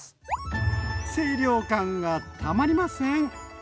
清涼感がたまりません。